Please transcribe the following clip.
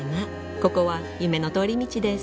ここは夢の通り道です